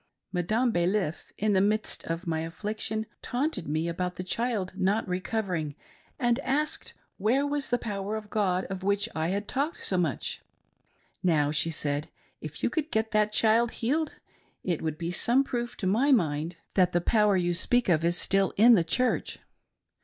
Madame Balif, in the midst of my affliction taunted me about the child not re covering, and asked where was the power of God, of which 1 had talked so much :" Now," said she, " if you could get that child healed, it would be some proof, to my mind, that the 124 . "WE KNELT AND PRAYED." power you speak of is still in the Church."